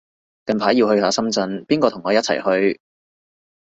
近排要去下深圳，邊個同我一齊去